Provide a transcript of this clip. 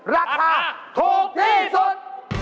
ราคาถูกที่สุด